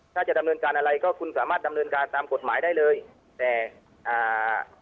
ถ้าจะดำเนินการอะไรก็คุณสามารถดำเนินการตามกฎหมายได้เลยแต่อ่า